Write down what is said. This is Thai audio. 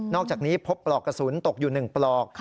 อกจากนี้พบปลอกกระสุนตกอยู่๑ปลอก